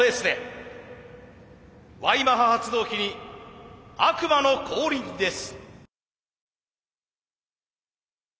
Ｙマハ発動機に悪魔の降臨です。